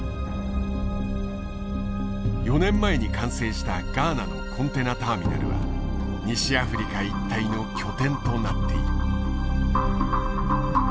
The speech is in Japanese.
４年前に完成したガーナのコンテナターミナルは西アフリカ一帯の拠点となっている。